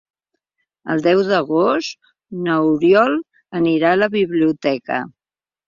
El deu d'agost n'Oriol anirà a la biblioteca.